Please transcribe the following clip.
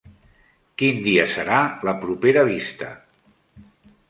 Quin dia serà la propera vista?